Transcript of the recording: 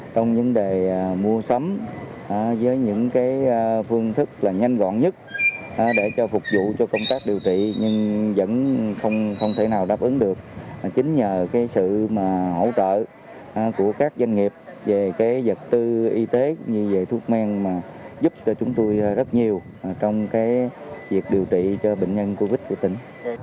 tuy nhiên hỗ trợ của các doanh nghiệp về vật tư y tế như thuốc men giúp cho chúng tôi rất nhiều trong việc điều trị cho bệnh nhân covid của tỉnh